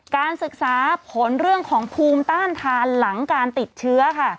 การศึกษาผลเรื่องของภูมิต้านทานหลังการติดเชื้อค่ะ